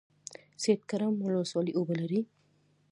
سید کرم ولسوالۍ اوبه لري؟